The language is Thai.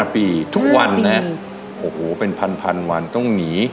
ปีทุกวันนะโอ้โหเป็นพันวันต้องหนี